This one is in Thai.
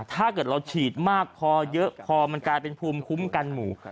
ถ้าเกิดเราฉีดมากพอเยอะพอมันกลายเป็นภูมิคุ้มกันหมู่